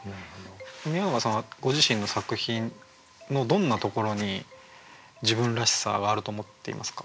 宮永さんはご自身の作品のどんなところに自分らしさはあると思っていますか？